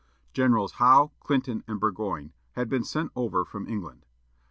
Generals Howe, Clinton, and Burgoyne had been sent over from England.